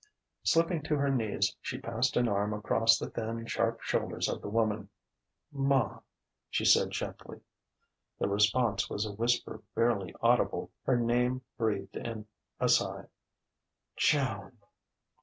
Slipping to her knees, she passed an arm across the thin, sharp shoulders of the woman. "Ma ..." she said gently. The response was a whisper barely audible, her name breathed in a sigh: "Joan...."